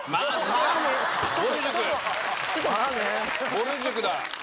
ぼる塾だ。